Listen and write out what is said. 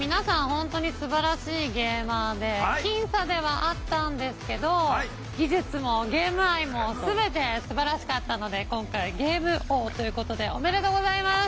本当にすばらしいゲーマーで僅差ではあったんですけど技術もゲーム愛も全てすばらしかったので今回ゲーム王ということでおめでとうございます！